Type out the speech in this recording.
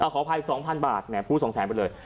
อ๋อขอถ่าย๒๐๐๐บาทนะพูด๒๐๐๐บาทไปเลย